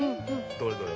どれどれ？